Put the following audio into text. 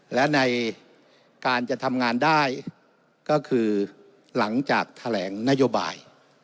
และในการจะทำงานได้ก็คือหลังจากแถลงนโยบาย